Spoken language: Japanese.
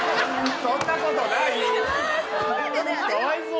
そんなことない！